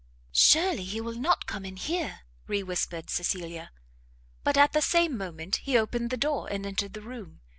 "Surely he will not come in here?" re whispered Cecilia. But, at the same moment, he opened the door, and entered the room.